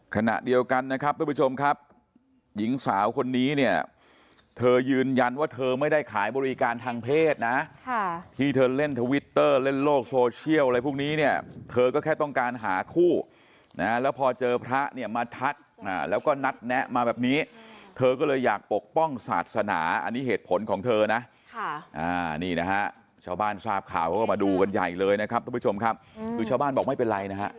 ขณะเดียวกันนะครับทุกผู้ชมครับหญิงสาวคนนี้เนี่ยเธอยืนยันว่าเธอไม่ได้ขายบริการทางเพศนะค่ะที่เธอเล่นทวิตเตอร์เล่นโลกโซเชียลอะไรพวกนี้เนี่ยเธอก็แค่ต้องการหาคู่นะแล้วพอเจอพระเนี่ยมาทักแล้วก็นัดแนะมาแบบนี้เธอก็เลยอยากปกป้องศาสนาอันนี้เหตุผลของเธอนะค่ะนี่นะฮะชาวบ้านทราบข่าวเขาก็มาด